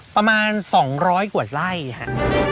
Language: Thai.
ประมาณสองร้อยกว่าไร่ค่ะ